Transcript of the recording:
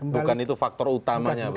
bukan itu faktor utamanya begitu ya